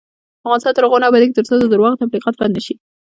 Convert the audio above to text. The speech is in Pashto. افغانستان تر هغو نه ابادیږي، ترڅو د درواغو تبلیغات بند نشي.